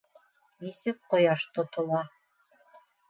— Нисек ҡояш тотола?